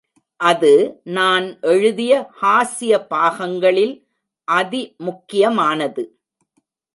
அது நான் எழுதிய ஹாஸ்ய பாகங்களில் அதி முக்கியமானது.